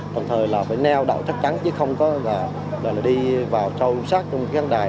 đồng thời là phải neo đạo chắc chắn chứ không có là đi vào trâu sát trong cái căn đài